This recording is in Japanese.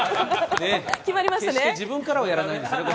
決して自分からはやらないんですね。